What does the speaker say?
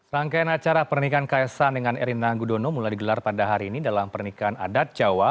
rangkaian acara pernikahan kaisang dengan erina gudono mulai digelar pada hari ini dalam pernikahan adat jawa